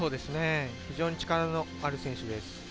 非常に力のある選手です。